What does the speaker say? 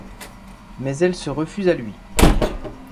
Mais elles se refusent à lui.